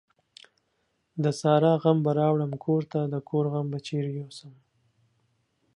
د سارا غم به راوړم کورته ، دکور غم به چيري يو سم ؟.